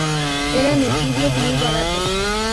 Eran estudios muy baratos.